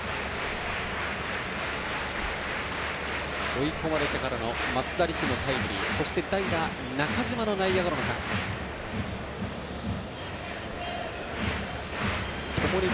追い込まれてからの増田陸のタイムリーそして代打、中島の内野ゴロの間に。